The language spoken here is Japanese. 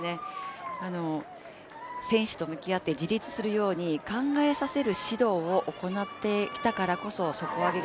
選手と向き合って自立するように考えさせる指導を行っていたからこそ底上げが